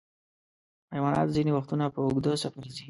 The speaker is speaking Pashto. حیوانات ځینې وختونه په اوږده سفر ځي.